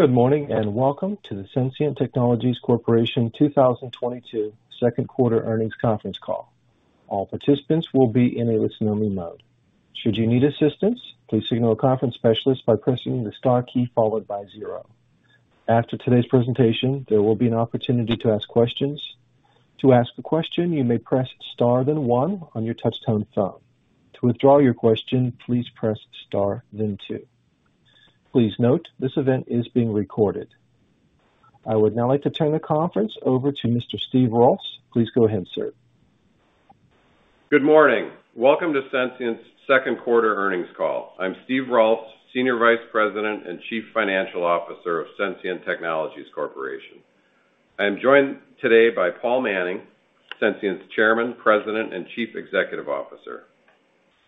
Good morning, and welcome to the Sensient Technologies Corporation 2022 Second Quarter Earnings Conference Call. All participants will be in a listen-only mode. Should you need assistance, please signal a conference specialist by pressing your star key followed by zero. After today's presentation, there will be an opportunity to ask questions. To ask a question, you may press star then one on your touchtone phone. To withdraw your question, please press star then two. Please note this event is being recorded. I would now like to turn the conference over to Mr. Steve Rolfs. Please go ahead, sir. Good morning. Welcome to Sensient's Second Quarter Earnings Call. I'm Steve Rolfs, Senior Vice President and Chief Financial Officer of Sensient Technologies Corporation. I am joined today by Paul Manning, Sensient's Chairman, President, and Chief Executive Officer.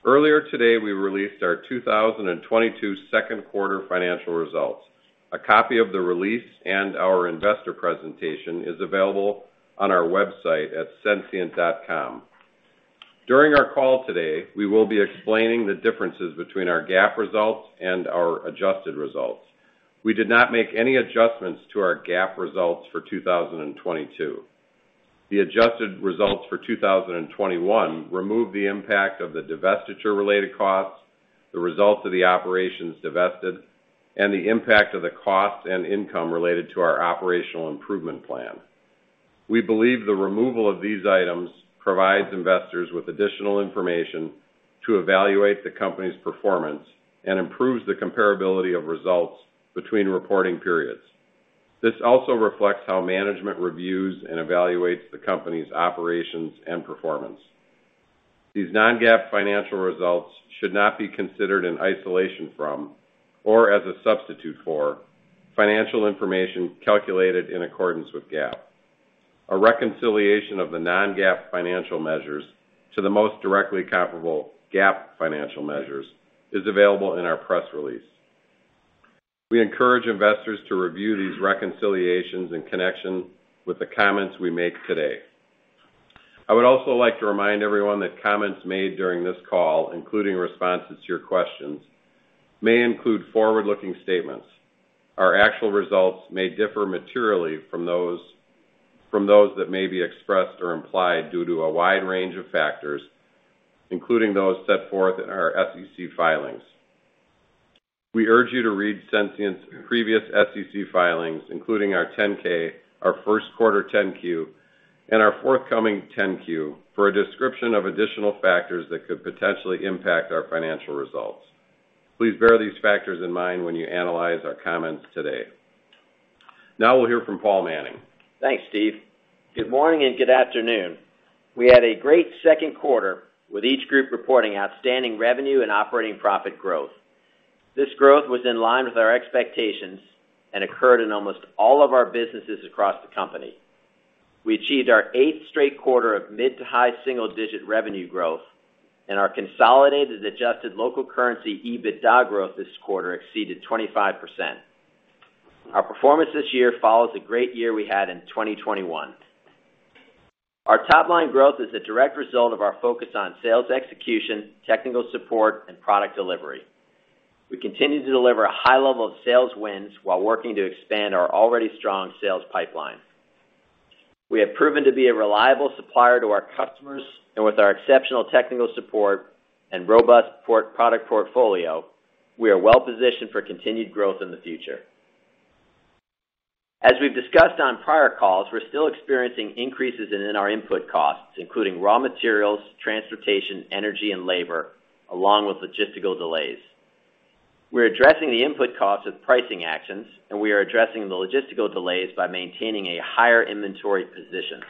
Earlier today, we released our 2022 second quarter financial results. A copy of the release and our investor presentation is available on our website at sensient.com. During our call today, we will be explaining the differences between our GAAP results and our adjusted results. We did not make any adjustments to our GAAP results for 2022. The adjusted results for 2021 removed the impact of the divestiture-related costs, the results of the operations divested, and the impact of the cost and income related to our operational improvement plan. We believe the removal of these items provides investors with additional information to evaluate the company's performance and improves the comparability of results between reporting periods. This also reflects how management reviews and evaluates the company's operations and performance. These non-GAAP financial results should not be considered in isolation from or as a substitute for financial information calculated in accordance with GAAP. A reconciliation of the non-GAAP financial measures to the most directly comparable GAAP financial measures is available in our press release. We encourage investors to review these reconciliations in connection with the comments we make today. I would also like to remind everyone that comments made during this call, including responses to your questions, may include forward-looking statements. Our actual results may differ materially from those that may be expressed or implied due to a wide range of factors, including those set forth in our SEC filings. We urge you to read Sensient's previous SEC filings, including our 10-K, our first quarter 10-Q, and our forthcoming 10-Q, for a description of additional factors that could potentially impact our financial results. Please bear these factors in mind when you analyze our comments today. Now we'll hear from Paul Manning. Thanks, Steve. Good morning and good afternoon. We had a great second quarter with each group reporting outstanding revenue and operating profit growth. This growth was in line with our expectations and occurred in almost all of our businesses across the company. We achieved our eighth straight quarter of mid to high single-digit revenue growth, and our consolidated adjusted local currency EBITDA growth this quarter exceeded 25%. Our performance this year follows a great year we had in 2021. Our top line growth is a direct result of our focus on sales execution, technical support, and product delivery. We continue to deliver a high level of sales wins while working to expand our already strong sales pipeline. We have proven to be a reliable supplier to our customers. With our exceptional technical support and robust product portfolio, we are well positioned for continued growth in the future. As we've discussed on prior calls, we're still experiencing increases in our input costs, including raw materials, transportation, energy, and labor, along with logistical delays. We're addressing the input costs with pricing actions, and we are addressing the logistical delays by maintaining a higher inventory position.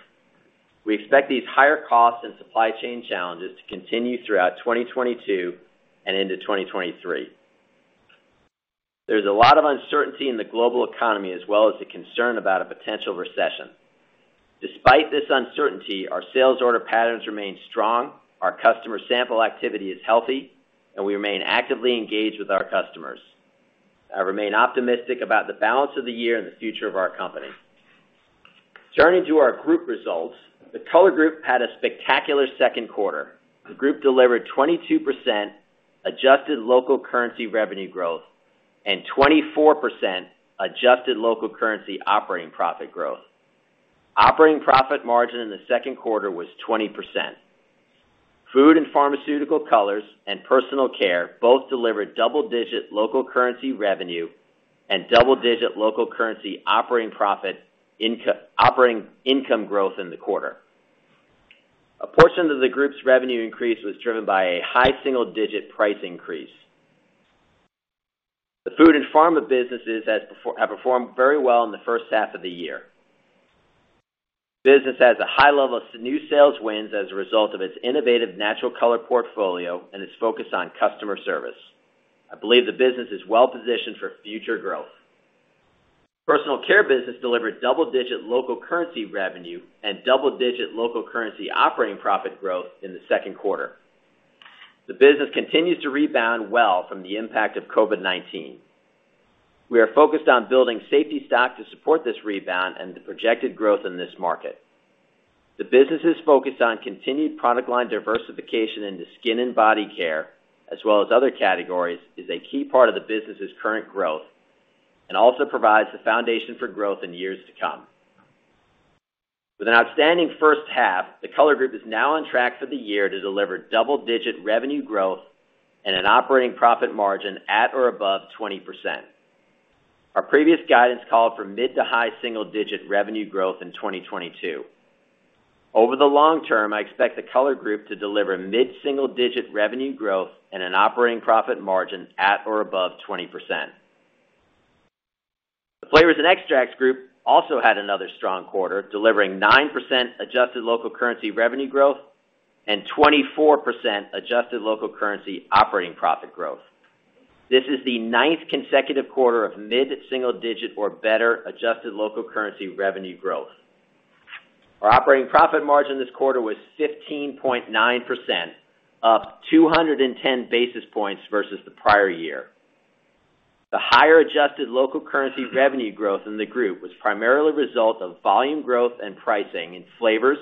We expect these higher costs and supply chain challenges to continue throughout 2022 and into 2023. There's a lot of uncertainty in the global economy as well as the concern about a potential recession. Despite this uncertainty, our sales order patterns remain strong, our customer sample activity is healthy, and we remain actively engaged with our customers. I remain optimistic about the balance of the year and the future of our company. Turning to our group results. The Color Group had a spectacular second quarter. The group delivered 22% adjusted local currency revenue growth and 24% adjusted local currency operating profit growth. Operating profit margin in the second quarter was 20%. Food and pharmaceutical colors and personal care both delivered double-digit local currency revenue and double-digit local currency operating income growth in the quarter. A portion of the group's revenue increase was driven by a high single-digit price increase. The food and pharma businesses have performed very well in the first half of the year. Business has a high level of new sales wins as a result of its innovative natural color portfolio and its focus on customer service. I believe the business is well positioned for future growth. Personal care business delivered double-digit local currency revenue and double-digit local currency operating profit growth in the second quarter. The business continues to rebound well from the impact of COVID-19. We are focused on building safety stock to support this rebound and the projected growth in this market. The business is focused on continued product line diversification into skin and body care, as well as other categories, is a key part of the business's current growth and also provides the foundation for growth in years to come. With an outstanding first half, the Color Group is now on track for the year to deliver double-digit revenue growth and an operating profit margin at or above 20%. Our previous guidance called for mid to high single-digit revenue growth in 2022. Over the long term, I expect the Color Group to deliver mid single-digit revenue growth and an operating profit margin at or above 20%. The Flavors & Extracts Group also had another strong quarter, delivering 9% adjusted local currency revenue growth and 24% adjusted local currency operating profit growth. This is the ninth consecutive quarter of mid-single-digit or better adjusted local currency revenue growth. Our operating profit margin this quarter was 15.9%, up 210 basis points versus the prior year. The higher adjusted local currency revenue growth in the group was primarily a result of volume growth and pricing in flavors,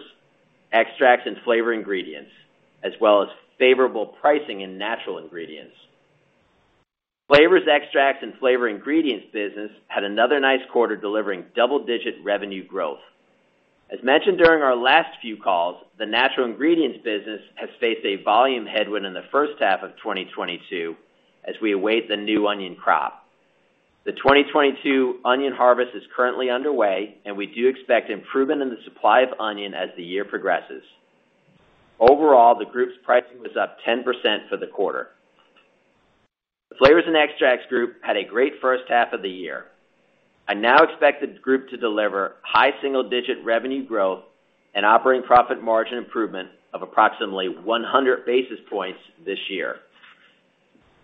extracts and flavor ingredients, as well as favorable pricing in natural ingredients. Flavors, extracts and flavor ingredients business had another nice quarter, delivering double-digit revenue growth. As mentioned during our last few calls, the natural ingredients business has faced a volume headwind in the first half of 2022 as we await the new onion crop. The 2022 onion harvest is currently underway and we do expect improvement in the supply of onion as the year progresses. Overall, the group's pricing was up 10% for the quarter. The Flavors & Extracts Group had a great first half of the year. I now expect the group to deliver high single-digit revenue growth and operating profit margin improvement of approximately 100 basis points this year.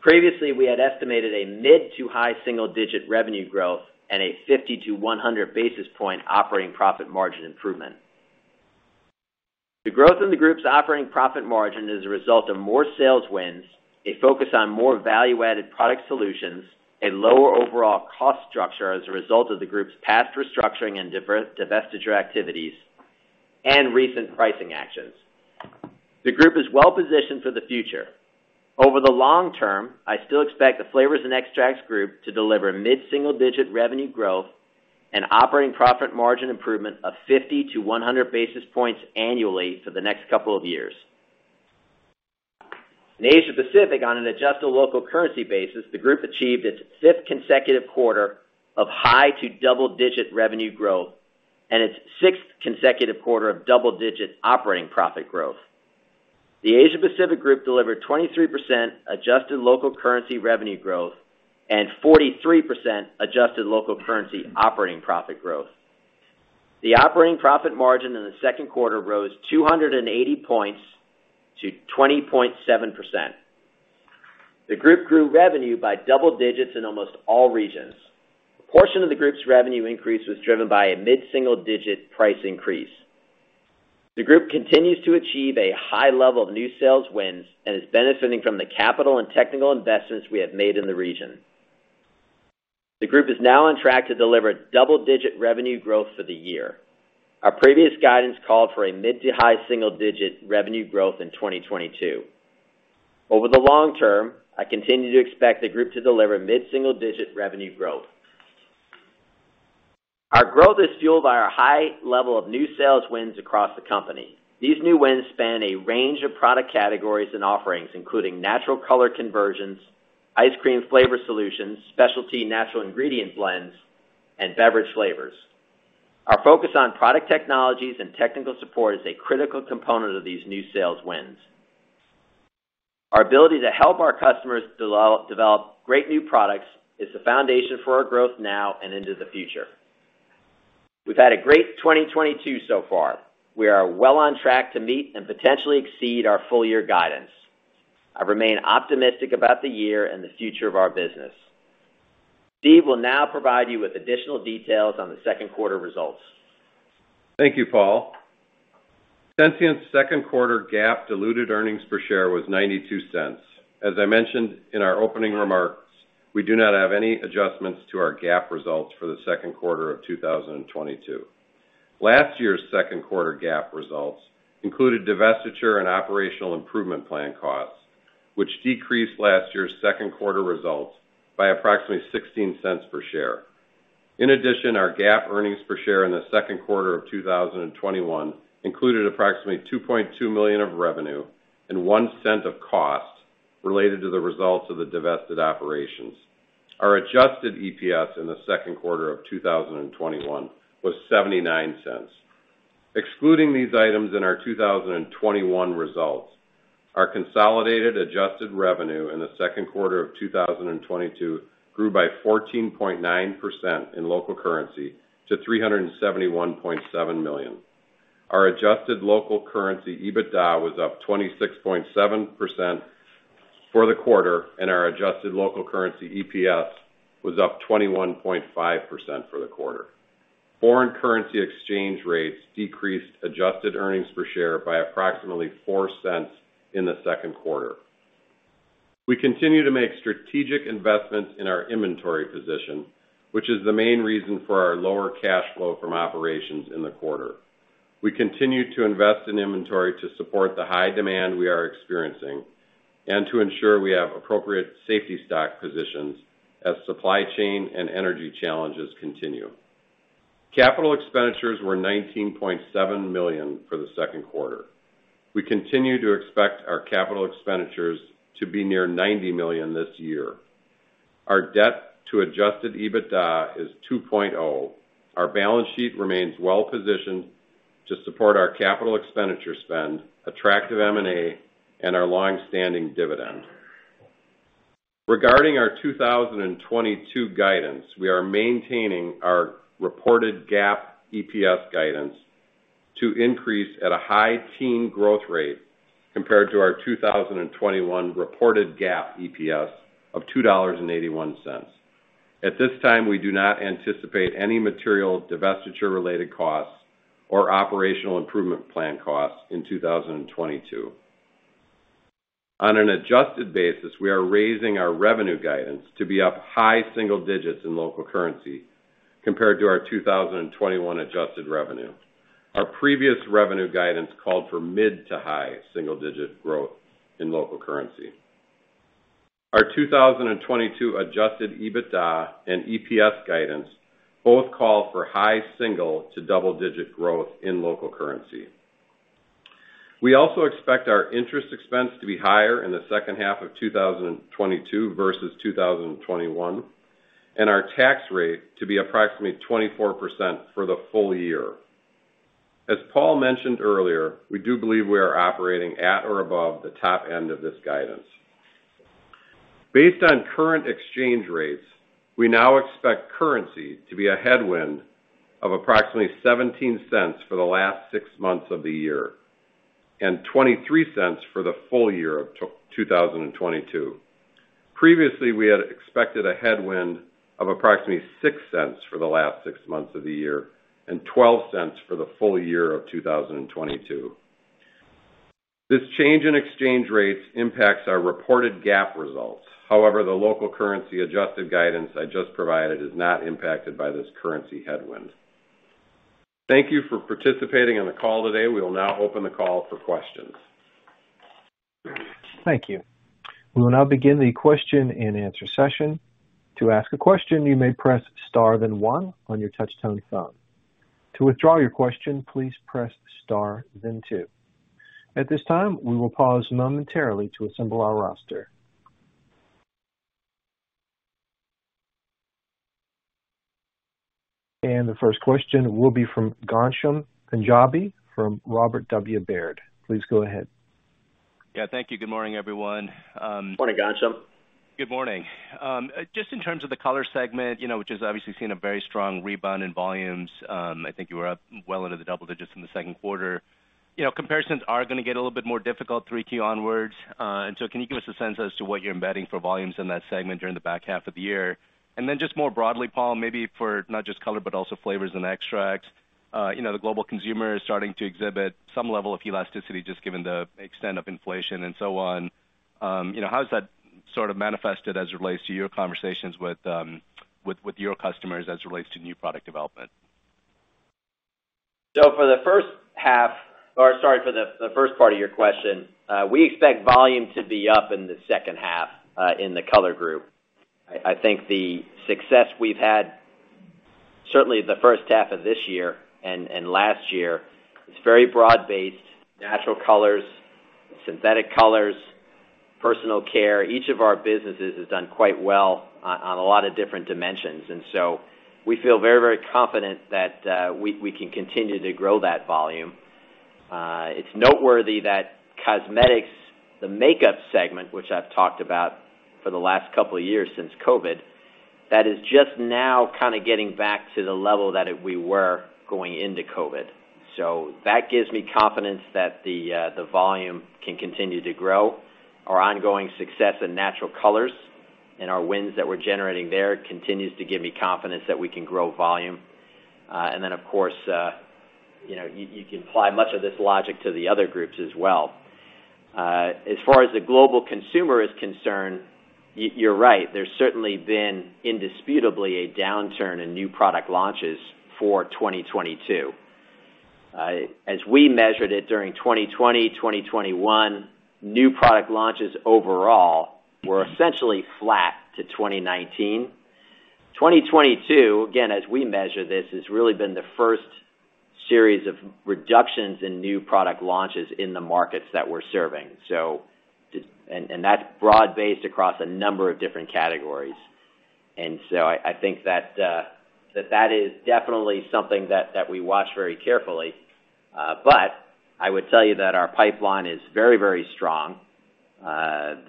Previously, we had estimated a mid to high single-digit revenue growth and a 50 to 100 basis point operating profit margin improvement. The growth in the group's operating profit margin is a result of more sales wins, a focus on more value-added product solutions, a lower overall cost structure as a result of the group's past restructuring and divestiture activities, and recent pricing actions. The group is well positioned for the future. Over the long term, I still expect the Flavors & Extracts Group to deliver mid single-digit revenue growth and operating profit margin improvement of 50-100 basis points annually for the next couple of years. In Asia Pacific, on an adjusted local currency basis, the group achieved its fifth consecutive quarter of high to double-digit revenue growth and its sixth consecutive quarter of double-digit operating profit growth. The Asia Pacific Group delivered 23% adjusted local currency revenue growth and 43% adjusted local currency operating profit growth. The operating profit margin in the second quarter rose 280 points to 20.7%. The group grew revenue by double digits in almost all regions. A portion of the group's revenue increase was driven by a mid single-digit price increase. The group continues to achieve a high level of new sales wins and is benefiting from the capital and technical investments we have made in the region. The group is now on track to deliver double-digit revenue growth for the year. Our previous guidance called for a mid to high single-digit revenue growth in 2022. Over the long term, I continue to expect the group to deliver mid single-digit revenue growth. Our growth is fueled by our high level of new sales wins across the company. These new wins span a range of product categories and offerings, including natural color conversions, ice cream flavor solutions, specialty natural ingredient blends, and beverage flavors. Our focus on product technologies and technical support is a critical component of these new sales wins. Our ability to help our customers develop great new products is the foundation for our growth now and into the future. We've had a great 2022 so far. We are well on track to meet and potentially exceed our full year guidance. I remain optimistic about the year and the future of our business. Steve will now provide you with additional details on the second quarter results. Thank you, Paul. Sensient's second quarter GAAP diluted earnings per share was $0.92. As I mentioned in our opening remarks, we do not have any adjustments to our GAAP results for the second quarter of 2022. Last year's second quarter GAAP results included divestiture and operational improvement plan costs, which decreased last year's second quarter results by approximately $0.16 per share. In addition, our GAAP earnings per share in the second quarter of 2021 included approximately $2.2 million of revenue and $0.01 of costs related to the results of the divested operations. Our Adjusted EPS in the second quarter of 2021 was $0.79. Excluding these items in our 2021 results, our consolidated adjusted revenue in the second quarter of 2022 grew by 14.9% in local currency to $371.7 million. Our adjusted local currency EBITDA was up 26.7% for the quarter, and our adjusted local currency EPS was up 21.5% for the quarter. Foreign currency exchange rates decreased adjusted earnings per share by approximately $0.04 in the second quarter. We continue to make strategic investments in our inventory position, which is the main reason for our lower cash flow from operations in the quarter. We continue to invest in inventory to support the high demand we are experiencing and to ensure we have appropriate safety stock positions as supply chain and energy challenges continue. Capital expenditures were $19.7 million for the second quarter. We continue to expect our capital expenditures to be near $90 million this year. Our debt to Adjusted EBITDA is 2.0. Our balance sheet remains well positioned to support our capital expenditure spend, attractive M&A, and our long-standing dividend. Regarding our 2022 guidance, we are maintaining our reported GAAP EPS guidance to increase at a high teens growth rate compared to our 2021 reported GAAP EPS of $2.81. At this time, we do not anticipate any material divestiture related costs or operational improvement plan costs in 2022. On an adjusted basis, we are raising our revenue guidance to be up high single digits in local currency compared to our 2021 Adjusted revenue. Our previous revenue guidance called for mid to high single-digit growth in local currency. Our 2022 Adjusted EBITDA and EPS guidance both call for high single to double-digit growth in local currency. We also expect our interest expense to be higher in the second half of 2022 versus 2021, and our tax rate to be approximately 24% for the full year. As Paul Manning mentioned earlier, we do believe we are operating at or above the top end of this guidance. Based on current exchange rates, we now expect currency to be a headwind of approximately $0.17 for the last six months of the year and $0.23 for the full year of 2022. Previously, we had expected a headwind of approximately $0.06 for the last six months of the year and $0.12 for the full year of 2022. This change in exchange rates impacts our reported GAAP results. However, the local currency adjusted guidance I just provided is not impacted by this currency headwind. Thank you for participating on the call today. We will now open the call for questions. Thank you. We will now begin the question-and-answer session. To ask a question, you may press star then one on your touch-tone phone. To withdraw your question, please press star then two. At this time, we will pause momentarily to assemble our roster. The first question will be from Ghansham Panjabi from Robert W. Baird. Please go ahead. Yeah, thank you. Good morning, everyone. Morning, Ghansham. Good morning. Just in terms of the color segment, you know, which has obviously seen a very strong rebound in volumes, I think you were up well into the double digits in the second quarter. You know, comparisons are gonna get a little bit more difficult 3Q onwards. Can you give us a sense as to what you're embedding for volumes in that segment during the back half of the year? Just more broadly, Paul, maybe for not just color, but also flavors and extracts. You know, the global consumer is starting to exhibit some level of elasticity, just given the extent of inflation and so on. You know, how has that sort of manifested as it relates to your conversations with your customers as it relates to new product development? For the first part of your question, we expect volume to be up in the second half in the Color Group. I think the success we've had certainly the first half of this year and last year is very broad-based. Natural colors, synthetic colors, personal care. Each of our businesses has done quite well on a lot of different dimensions. We feel very confident that we can continue to grow that volume. It's noteworthy that cosmetics, the makeup segment, which I've talked about for the last couple of years since COVID, that is just now kind of getting back to the level that we were going into COVID. That gives me confidence that the volume can continue to grow. Our ongoing success in natural colors and our wins that we're generating there continues to give me confidence that we can grow volume. Of course, you know, you can apply much of this logic to the other groups as well. As far as the global consumer is concerned, you're right. There's certainly been indisputably a downturn in new product launches for 2022. As we measured it during 2020, 2021, new product launches overall were essentially flat to 2019. 2022, again, as we measure this, has really been the first series of reductions in new product launches in the markets that we're serving. That's broad-based across a number of different categories. I think that that is definitely something that we watch very carefully. I would tell you that our pipeline is very, very strong. Our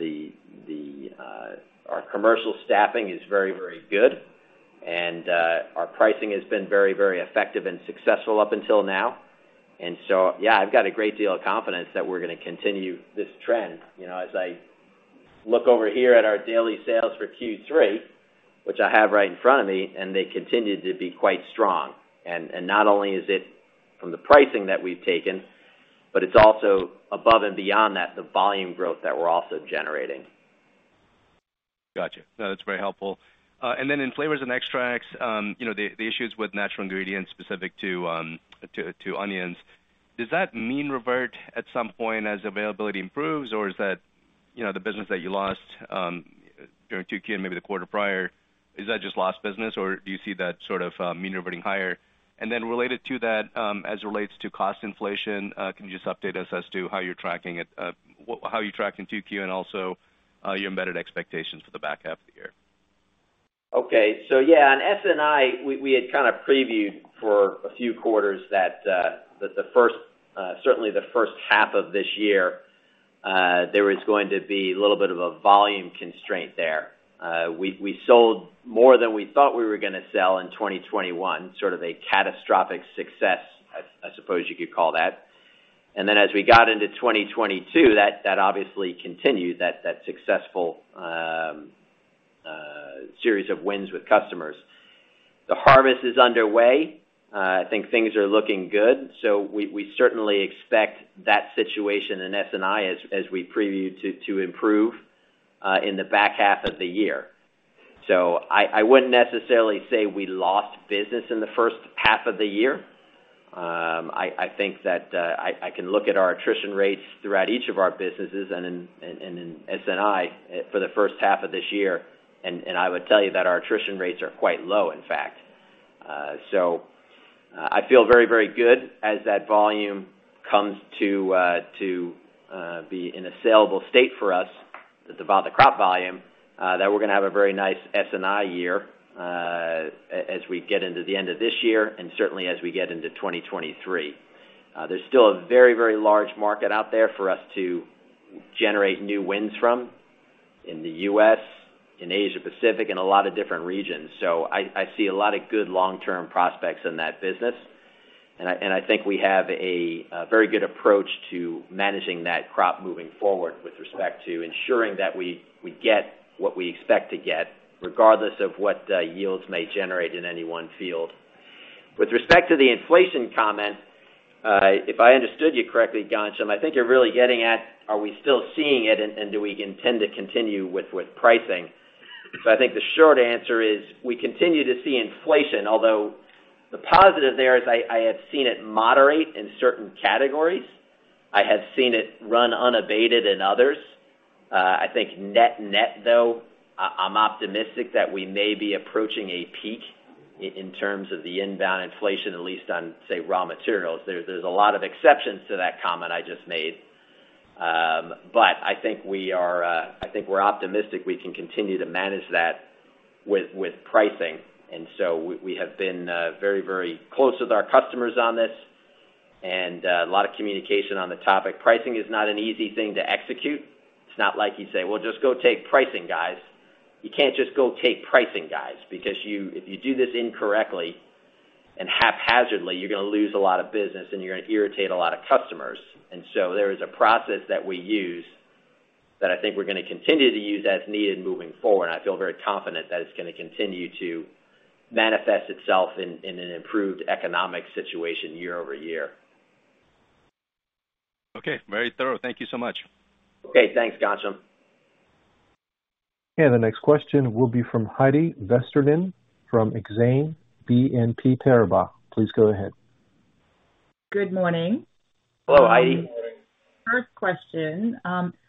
commercial staffing is very, very good, and our pricing has been very, very effective and successful up until now. Yeah, I've got a great deal of confidence that we're gonna continue this trend. You know, as I look over here at our daily sales for Q3. Which I have right in front of me, and they continued to be quite strong. Not only is it from the pricing that we've taken, but it's also above and beyond that, the volume growth that we're also generating. Gotcha. No, that's very helpful. Then in Flavors & Extracts, you know, the issues with natural ingredients specific to onions. Does that mean revert at some point as availability improves? Or is that, you know, the business that you lost during 2Q and maybe the quarter prior, is that just lost business or do you see that sort of mean reverting higher? Then related to that, as it relates to cost inflation, can you just update us as to how you're tracking it? How you tracked in 2Q and also your embedded expectations for the back half of the year. Okay. Yeah, in SNI, we had kind of previewed for a few quarters that the first, certainly the first half of this year, there was going to be a little bit of a volume constraint there. We sold more than we thought we were gonna sell in 2021, sort of a catastrophic success, I suppose you could call that. Then as we got into 2022, that obviously continued that successful series of wins with customers. The harvest is underway. I think things are looking good. We certainly expect that situation in SNI as we previewed to improve in the back half of the year. I wouldn't necessarily say we lost business in the first half of the year. I think that I can look at our attrition rates throughout each of our businesses and in SNI for the first half of this year, and I would tell you that our attrition rates are quite low, in fact. I feel very, very good as that volume comes to be in a sellable state for us about the crop volume that we're gonna have a very nice SNI year as we get into the end of this year, and certainly as we get into 2023. There's still a very, very large market out there for us to generate new wins from in the U.S., in Asia Pacific, and a lot of different regions. I see a lot of good long-term prospects in that business. I think we have a very good approach to managing that crop moving forward with respect to ensuring that we get what we expect to get, regardless of what yields may generate in any one field. With respect to the inflation comment, if I understood you correctly, Ghansham, I think you're really getting at, are we still seeing it and do we intend to continue with pricing? I think the short answer is we continue to see inflation, although the positive there is I have seen it moderate in certain categories. I have seen it run unabated in others. I think net-net, though, I'm optimistic that we may be approaching a peak in terms of the inbound inflation, at least on, say, raw materials. There's a lot of exceptions to that comment I just made. I think we're optimistic we can continue to manage that with pricing. We have been very, very close with our customers on this and a lot of communication on the topic. Pricing is not an easy thing to execute. It's not like you say, "Well, just go take pricing, guys." You can't just go take pricing, guys, because if you do this incorrectly and haphazardly, you're gonna lose a lot of business and you're gonna irritate a lot of customers. There is a process that we use that I think we're gonna continue to use as needed moving forward. I feel very confident that it's gonna continue to manifest itself in an improved economic situation year-over-year. Okay. Very thorough. Thank you so much. Okay. Thanks, Ghansham. The next question will be from Heidi Vesterinen from Exane BNP Paribas. Please go ahead. Good morning. Hello, Heidi. First question,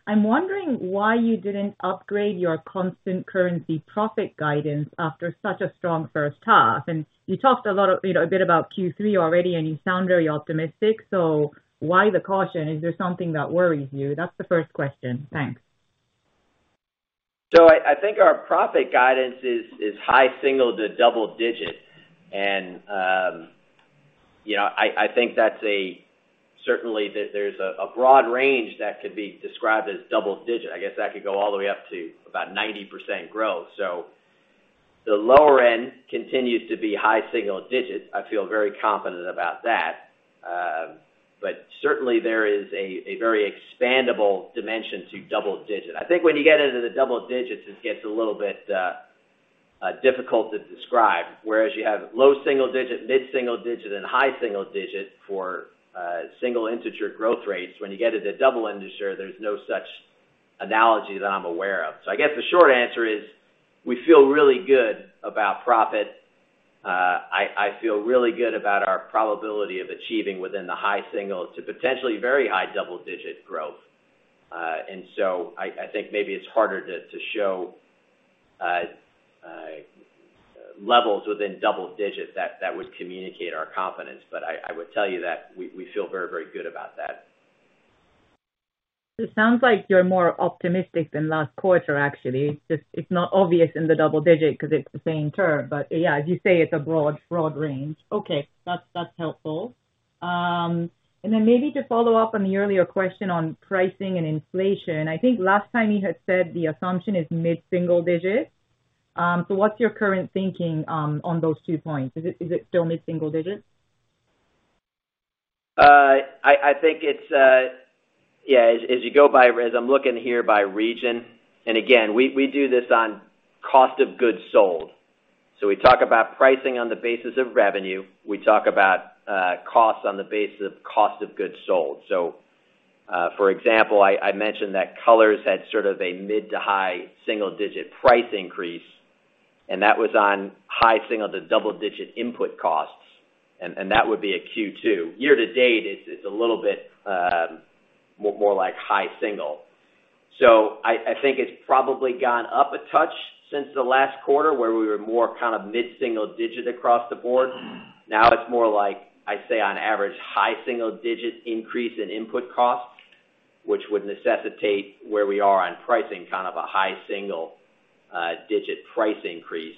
I'm wondering why you didn't upgrade your constant currency profit guidance after such a strong first half. You talked a lot, you know, a bit about Q3 already, and you sound very optimistic. Why the caution? Is there something that worries you? That's the first question. Thanks. I think our profit guidance is high single-digit to double-digit. Certainly there's a broad range that could be described as double-digit. I guess that could go all the way up to about 90% growth. The lower end continues to be high single-digits. I feel very confident about that. Certainly there is a very expandable dimension to double-digit. I think when you get into the double-digits, it gets a little bit difficult to describe. Whereas you have low single-digit, mid-single-digit, and high single-digit for single-digit growth rates. When you get into double-digit, there's no such analogy that I'm aware of. I guess the short answer is we feel really good about profit. I feel really good about our probability of achieving within the high single-digit to potentially very high double-digit growth. I think maybe it's harder to show levels within double-digit that would communicate our confidence. I would tell you that we feel very, very good about that. It sounds like you're more optimistic than last quarter, actually. It's just, it's not obvious in the double-digit because it's the same term. But yeah, as you say, it's a broad range. Okay. That's helpful. And then maybe to follow up on the earlier question on pricing and inflation. I think last time you had said the assumption is mid-single-digit. So what's your current thinking on those two points? Is it still mid-single-digit? I think it's as you go by, as I'm looking here by region, and again, we do this on cost of goods sold. We talk about pricing on the basis of revenue, we talk about costs on the basis of cost of goods sold. For example, I mentioned that Colors had sort of a mid to high single-digit price increase, and that was on high single to double-digit input costs. That would be a Q2. Year-to-date, it's a little bit more like high single. I think it's probably gone up a touch since the last quarter, where we were more kind of mid-single digit across the board. Now it's more like, I'd say on average, high single-digit increase in input costs, which would necessitate where we are on pricing kind of a high single-digit price increase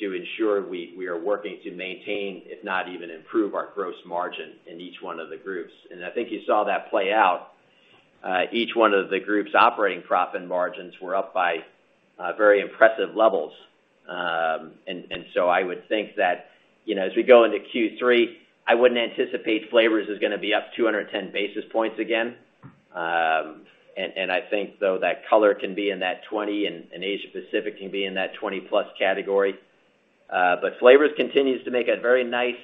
to ensure we are working to maintain, if not even improve our gross margin in each one of the groups. I think you saw that play out. Each one of the groups operating profit margins were up by very impressive levels. I would think that, you know, as we go into Q3, I wouldn't anticipate Flavors is gonna be up 210 basis points again. I think though that Color can be in that 20 and Asia Pacific can be in that 20-plus category. Flavors continues to make a very nice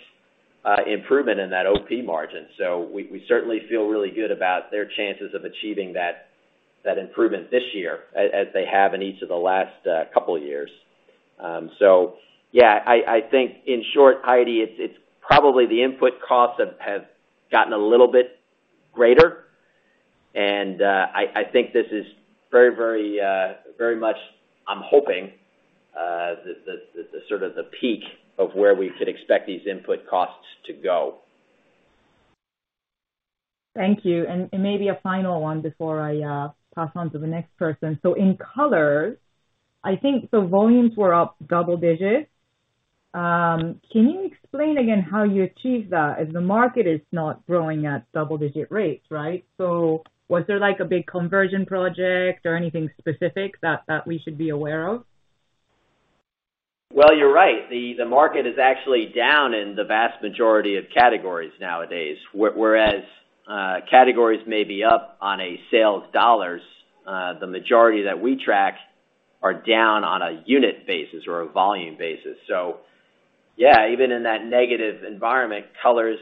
improvement in that OP margin. We certainly feel really good about their chances of achieving that improvement this year as they have in each of the last couple years. Yeah, I think in short, Heidi, it's probably the input costs have gotten a little bit greater. I think this is very much, I'm hoping, the sort of peak of where we could expect these input costs to go. Thank you. Maybe a final one before I pass on to the next person. In Colors, I think the volumes were up double digits. Can you explain again how you achieved that if the market is not growing at double-digit rates, right? Was there like a big conversion project or anything specific that we should be aware of? Well, you're right. The market is actually down in the vast majority of categories nowadays. Whereas categories may be up on a sales dollars, the majority that we track are down on a unit basis or a volume basis. Yeah, even in that negative environment, Colors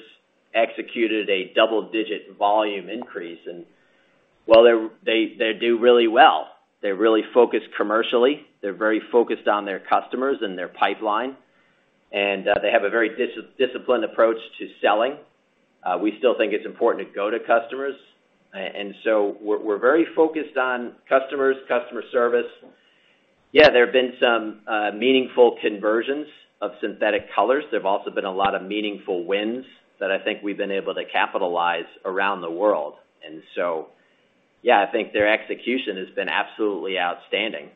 executed a double-digit volume increase. Well, they do really well. They're really focused commercially. They're very focused on their customers and their pipeline. They have a very disciplined approach to selling. We still think it's important to go to customers. We're very focused on customers, customer service. Yeah, there have been some meaningful conversions of synthetic colors. There've also been a lot of meaningful wins that I think we've been able to capitalize around the world. Yeah, I think their execution has been absolutely outstanding.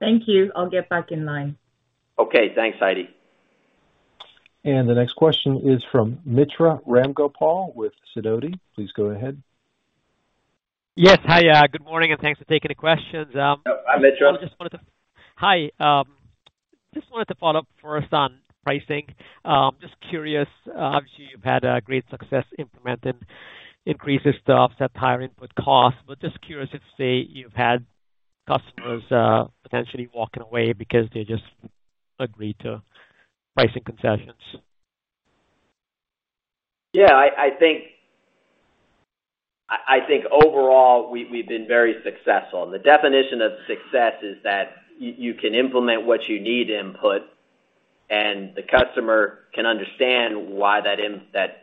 Thank you. I'll get back in line. Okay. Thanks, Heidi. The next question is from Mitra Ramgopal with Sidoti. Please go ahead. Yes. Hi, good morning, and thanks for taking the questions. Hi, Mitra. Hi. Just wanted to follow up for us on pricing. Just curious, obviously you've had a great success implementing increases to offset higher input costs, but just curious if, say, you've had customers potentially walking away because they just agreed to pricing concessions. Yeah. I think overall we've been very successful. The definition of success is that you can implement what you need to implement, and the customer can understand why that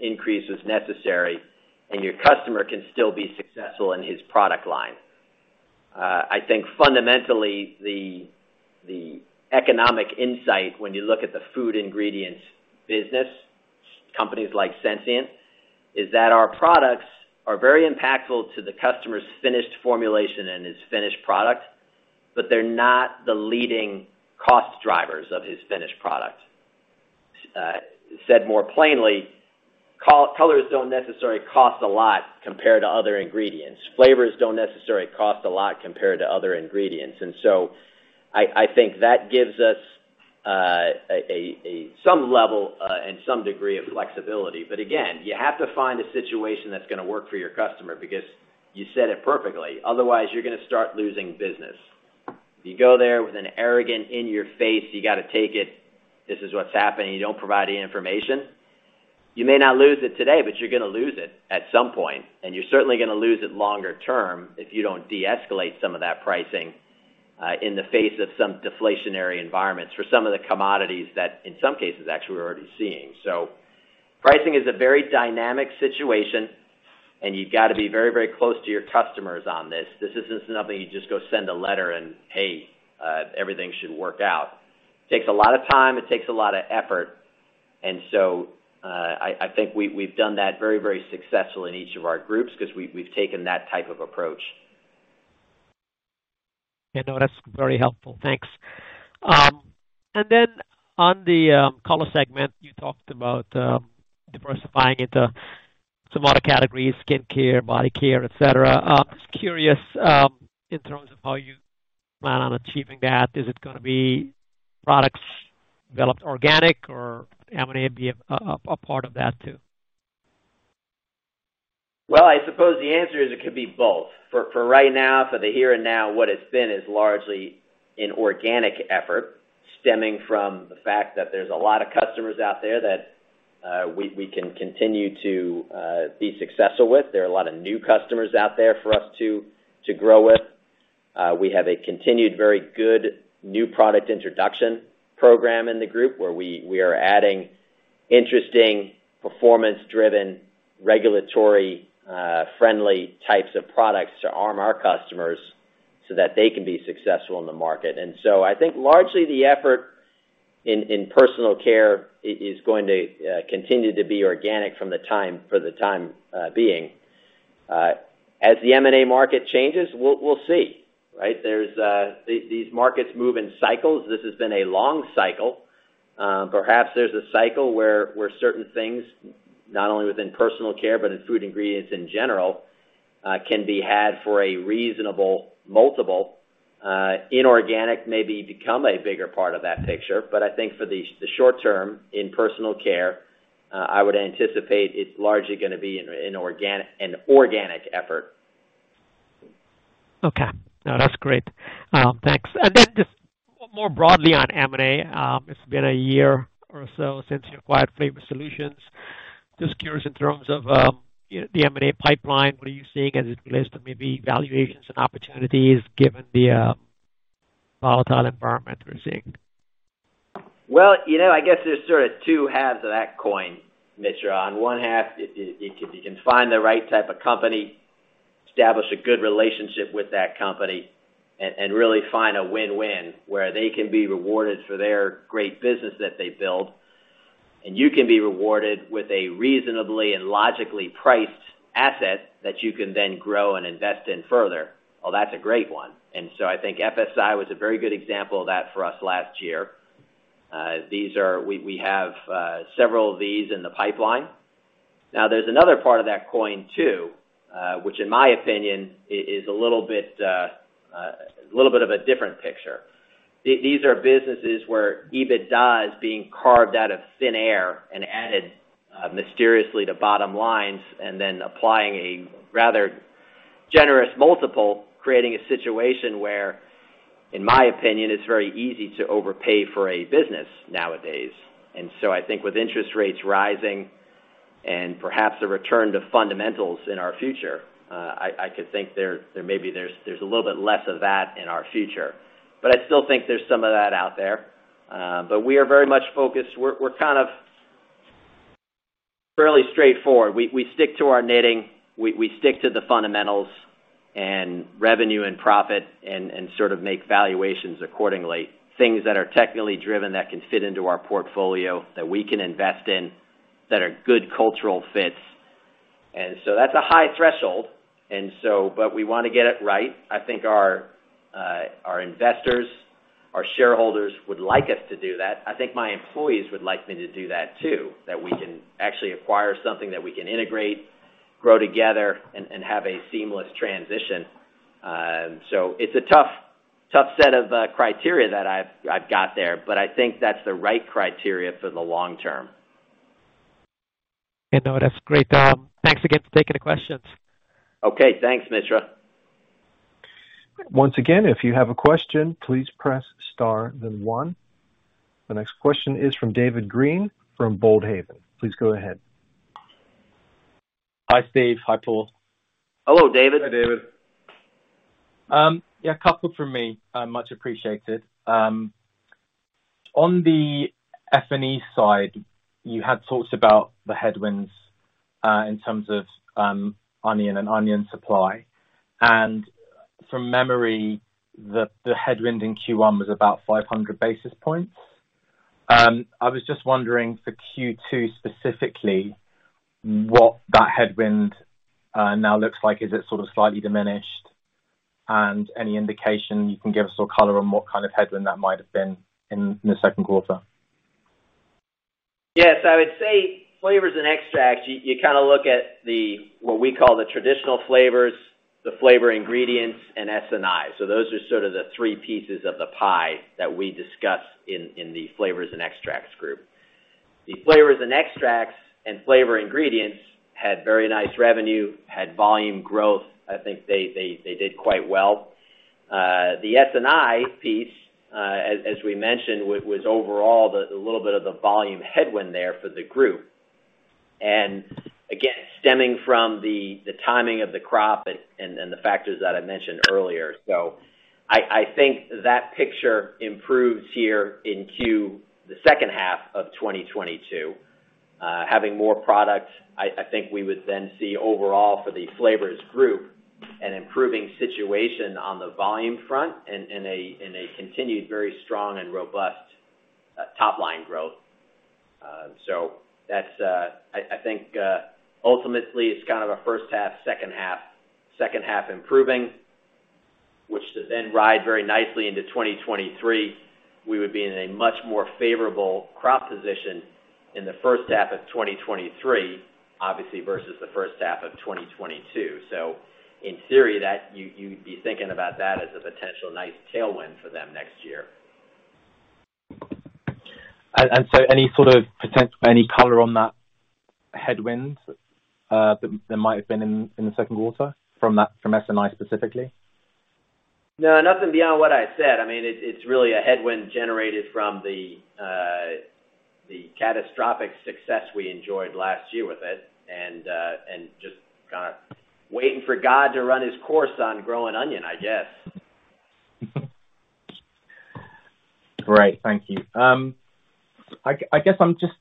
increase was necessary, and your customer can still be successful in his product line. I think fundamentally, the economic insight when you look at the food ingredients business, companies like Sensient, is that our products are very impactful to the customer's finished formulation and his finished product, but they're not the leading cost drivers of his finished product. Said more plainly, colors don't necessarily cost a lot compared to other ingredients. Flavors don't necessarily cost a lot compared to other ingredients. I think that gives us some level and some degree of flexibility. Again, you have to find a situation that's gonna work for your customer because you said it perfectly. Otherwise, you're gonna start losing business. If you go there with an arrogant in your face, "You gotta take it. This is what's happening," you don't provide any information, you may not lose it today, but you're gonna lose it at some point. You're certainly gonna lose it longer term if you don't deescalate some of that pricing in the face of some deflationary environments for some of the commodities that in some cases actually we're already seeing. Pricing is a very dynamic situation, and you've gotta be very, very close to your customers on this. This isn't something you just go send a letter and, "Hey, everything should work out." It takes a lot of time. It takes a lot of effort. I think we've done that very, very successfully in each of our groups 'cause we've taken that type of approach. Yeah, no, that's very helpful. Thanks. On the Color segment, you talked about diversifying into some other categories, skin care, body care, etc. Just curious, in terms of how you plan on achieving that. Is it gonna be products developed organically or M&A be a part of that too? Well, I suppose the answer is it could be both. For right now, for the here and now, what it's been is largely an organic effort stemming from the fact that there's a lot of customers out there that we can continue to be successful with. There are a lot of new customers out there for us to grow with. We have a continued very good new product introduction program in the group, where we are adding interesting performance-driven, regulatory friendly types of products to arm our customers so that they can be successful in the market. I think largely the effort in personal care is going to continue to be organic for the time being. As the M&A market changes, we'll see, right? These markets move in cycles. This has been a long cycle. Perhaps there's a cycle where certain things, not only within personal care, but in food ingredients in general, can be had for a reasonable multiple. Inorganic maybe become a bigger part of that picture. I think for the short term in personal care, I would anticipate it's largely gonna be an organic effort. Okay. No, that's great. Thanks. Just more broadly on M&A, it's been a year or so since you acquired Flavor Solutions. Just curious in terms of the M&A pipeline, what are you seeing as it relates to maybe valuations and opportunities given the volatile environment we're seeing? Well, you know, I guess there's sort of two halves of that coin, Mitra. On one half, if you can find the right type of company, establish a good relationship with that company and really find a win-win where they can be rewarded for their great business that they build, and you can be rewarded with a reasonably and logically priced asset that you can then grow and invest in further, well, that's a great one. I think FSI was a very good example of that for us last year. We have several of these in the pipeline. Now, there's another part of that coin too, which in my opinion is a little bit of a different picture. These are businesses where EBITDA is being carved out of thin air and added, mysteriously to bottom lines, and then applying a rather generous multiple, creating a situation where, in my opinion, it's very easy to overpay for a business nowadays. I think with interest rates rising and perhaps a return to fundamentals in our future, I could think there maybe there's a little bit less of that in our future. I still think there's some of that out there. We are very much focused. We're kind of fairly straightforward. We stick to our knitting. We stick to the fundamentals and revenue and profit and sort of make valuations accordingly. Things that are technically driven that can fit into our portfolio, that we can invest in, that are good cultural fits. That's a high threshold. We wanna get it right. I think our investors, our shareholders would like us to do that. I think my employees would like me to do that too, that we can actually acquire something that we can integrate, grow together and have a seamless transition. It's a tough set of criteria that I've got there, but I think that's the right criteria for the long term. You know, that's great. Thanks again for taking the questions. Okay. Thanks, Mitra. Once again, if you have a question, please press star then one. The next question is from David Green from Boldhaven. Please go ahead. Hi, Steve. Hi, Paul. Hello, David. Hi, David. Yeah, a couple from me. Much appreciated. On the FNE side, you had talked about the headwinds in terms of onion supply. From memory, the headwind in Q1 was about 500 basis points. I was just wondering for Q2 specifically, what that headwind now looks like. Is it sort of slightly diminished? Any indication you can give us or color on what kind of headwind that might have been in the second quarter? Yes, I would say Flavors & Extracts. You kind of look at what we call the traditional flavors, the flavor ingredients and SNI. Those are sort of the three pieces of the pie that we discuss in the Flavors & Extracts Group. The Flavors & Extracts and flavor ingredients had very nice revenue, had volume growth. I think they did quite well. The SNI piece, as we mentioned, was overall the little bit of the volume headwind there for the group. Again, stemming from the timing of the crop and the factors that I mentioned earlier. I think that picture improves here in the second half of 2022. Having more product, I think we would then see overall for the flavors group an improving situation on the volume front and a continued very strong and robust top line growth. Ultimately it's kind of a first half, second half improving to then ride very nicely into 2023. We would be in a much more favorable crop position in the first half of 2023, obviously, versus the first half of 2022. In theory, you'd be thinking about that as a potential nice tailwind for them next year. Any color on that headwind that might have been in the second quarter from that SNI specifically? No, nothing beyond what I said. I mean, it's really a headwind generated from the catastrophic success we enjoyed last year with it and just kinda waiting for God to run his course on growing onion, I guess. Great, thank you. I guess I'm just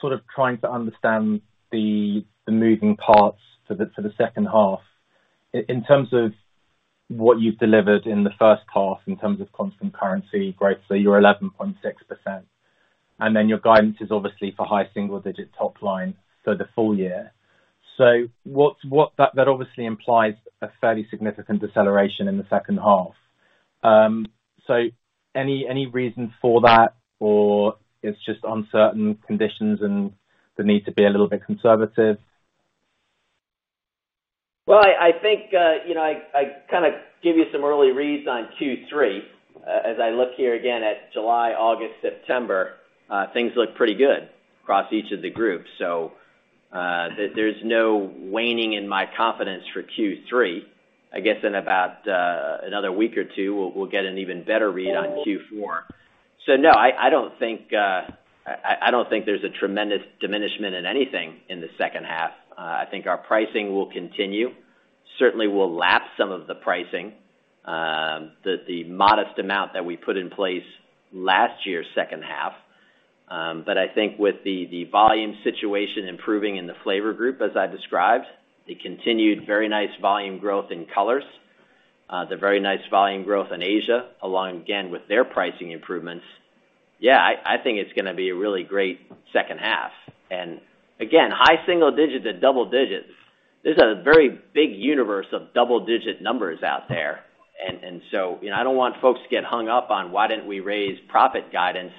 sort of trying to understand the moving parts for the second half. In terms of what you've delivered in the first half in terms of constant currency growth, so your 11.6%, and then your guidance is obviously for high single digit top line for the full year. What's that? That obviously implies a fairly significant deceleration in the second half. Any reason for that or it's just uncertain conditions and the need to be a little bit conservative? Well, I think you know I kinda give you some early reads on Q3. As I look here again at July, August, September, things look pretty good across each of the groups. There's no waning in my confidence for Q3. I guess in about another week or two, we'll get an even better read on Q4. No, I don't think there's a tremendous diminishment in anything in the second half. I think our pricing will continue. Certainly we'll lap some of the pricing, the modest amount that we put in place last year, second half. I think with the volume situation improving in the flavor group, as I described, the continued very nice volume growth in colors, the very nice volume growth in Asia, along again with their pricing improvements. Yeah, I think it's gonna be a really great second half. Again, high single digits and double digits. There's a very big universe of double-digit numbers out there. So, you know, I don't want folks to get hung up on why didn't we raise profit guidance.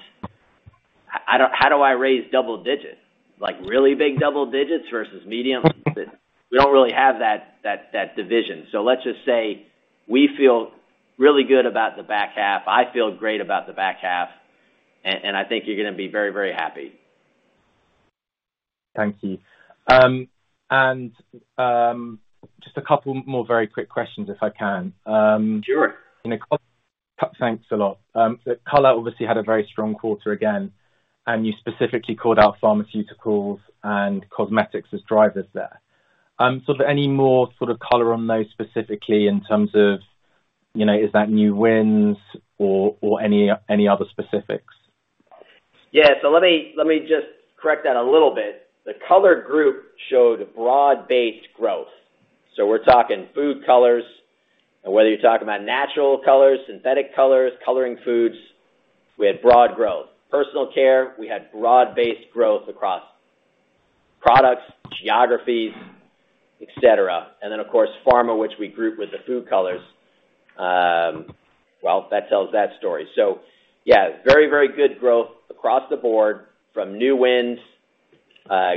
How do I raise double digits? Like really big double digits versus medium? We don't really have that division. Let's just say we feel really good about the back half. I feel great about the back half. I think you're gonna be very, very happy. Thank you. Just a couple more very quick questions if I can. Sure. Thanks a lot. Color obviously had a very strong quarter again, and you specifically called out pharmaceuticals and cosmetics as drivers there. Any more sort of color on those specifically in terms of, you know, is that new wins or any other specifics? Yeah. Let me just correct that a little bit. The Color Group showed broad-based growth. We're talking food colors and whether you're talking about natural colors, synthetic colors, coloring foods, we had broad growth. Personal care, we had broad-based growth across products, geographies, et cetera. Of course, pharma, which we group with the food colors, well, that tells that story. Yeah, very, very good growth across the board from new wins,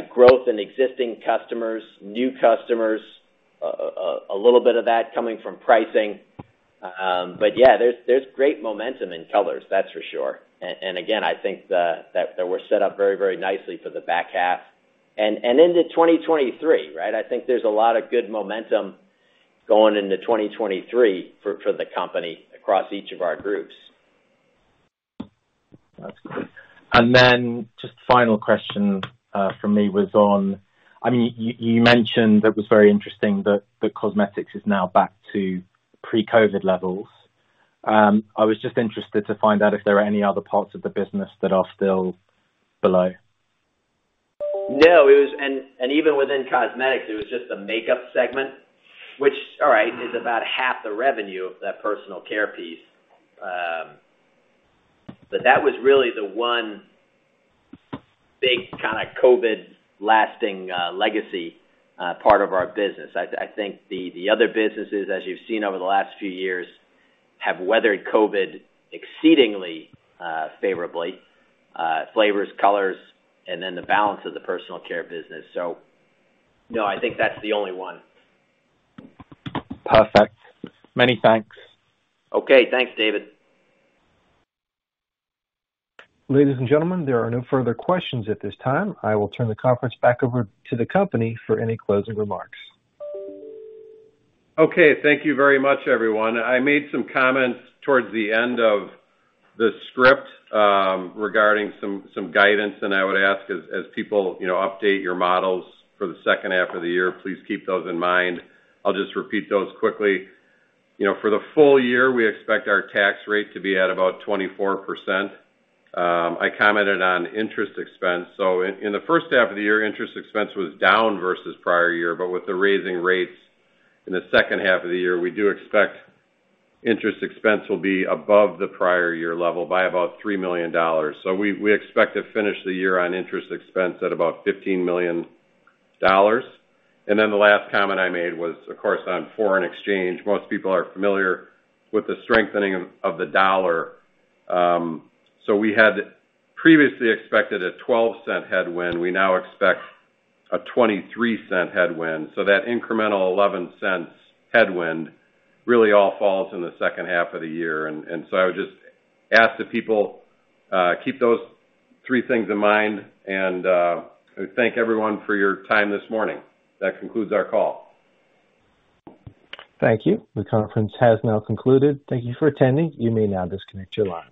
growth in existing customers, new customers, a little bit of that coming from pricing. Yeah, there's great momentum in colors, that's for sure. Again, I think that we're set up very, very nicely for the back half. And into 2023, right? I think there's a lot of good momentum going into 2023 for the company across each of our groups. I mean, you mentioned that was very interesting that the cosmetics is now back to pre-COVID levels. I was just interested to find out if there are any other parts of the business that are still below. No, it was and even within cosmetics, it was just the makeup segment, which all right, is about half the revenue of that personal care piece. But that was really the one big kinda COVID lasting legacy part of our business. I think the other businesses, as you've seen over the last few years, have weathered COVID exceedingly favorably, flavors, colors, and then the balance of the personal care business. No, I think that's the only one. Perfect. Many thanks. Okay. Thanks, David. Ladies and gentlemen, there are no further questions at this time. I will turn the conference back over to the company for any closing remarks. Okay, thank you very much, everyone. I made some comments towards the end of the script, regarding some guidance, and I would ask as people, you know, update your models for the second half of the year, please keep those in mind. I'll just repeat those quickly. You know, for the full year, we expect our tax rate to be at about 24%. I commented on interest expense. In the first half of the year, interest expense was down versus prior year, but with the rising rates in the second half of the year, we do expect interest expense will be above the prior year level by about $3 million. We expect to finish the year on interest expense at about $15 million. Then the last comment I made was, of course, on foreign exchange. Most people are familiar with the strengthening of the dollar. We had previously expected a $0.12 headwind. We now expect a $0.23 headwind. That incremental $0.11 headwind really all falls in the second half of the year. I would just ask that people keep those three things in mind. I thank everyone for your time this morning. That concludes our call. Thank you. The conference has now concluded. Thank you for attending. You may now disconnect your lines.